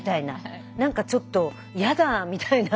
何かちょっと「嫌だ」みたいな。